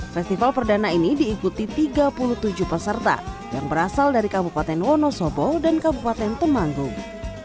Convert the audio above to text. festival perdana ini diikuti tiga puluh tujuh peserta yang berasal dari kabupaten wonosobo dan kabupaten temanggung